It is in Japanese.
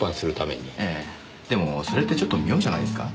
でもそれってちょっと妙じゃないですか？